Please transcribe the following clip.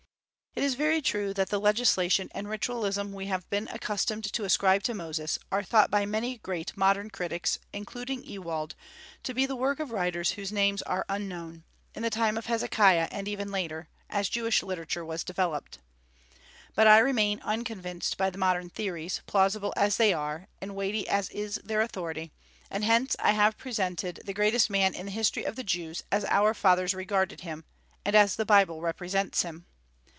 It is very true that the legislation and ritualism we have been accustomed to ascribe to Moses are thought by many great modern critics, including Ewald, to be the work of writers whose names are unknown, in the time of Hezekiah and even later, as Jewish literature was developed. But I remain unconvinced by the modern theories, plausible as they are, and weighty as is their authority; and hence I have presented the greatest man in the history of the Jews as our fathers regarded him, and as the Bible represents him.